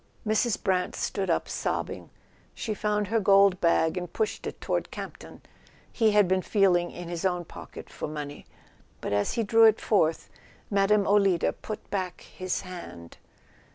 Mrs. Brant stood up sobbing. She found her gold bag and pushed it toward Campton. He had been feel¬ ing in his own pocket for money; but as he drew it forth Mme. Olida put back his hand.